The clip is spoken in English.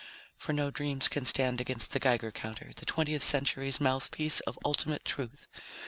For no dreams can stand against the Geiger counter, the Twentieth Century's mouthpiece of ultimate truth.